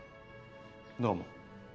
どうも。